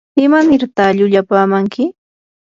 ¿imanirta llullapamanki?